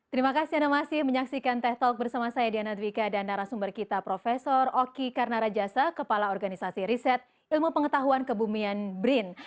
terima kasih anda masih menyaksikan teh talk bersama saya diana dwiqa dan narasumber kita prof oki karnarajasa kepala organisasi riset ilmu pengetahuan kebumian brin